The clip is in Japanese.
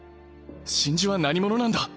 真珠は何者なんだ？